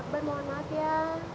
eh boleh diceritakan ya